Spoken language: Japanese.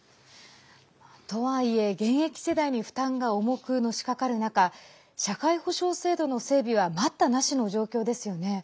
とはいえ、現役世代に負担が重くのしかかる中社会保障制度の整備は待ったなしの状況ですよね。